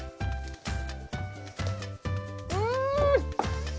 うん！